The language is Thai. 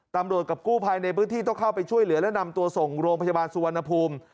กับกู้ภัยในพื้นที่ต้องเข้าไปช่วยเหลือและนำตัวส่งโรงพยาบาลสุวรรณภูมิ